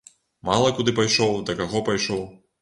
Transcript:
Мала куды пайшоў, да каго пайшоў.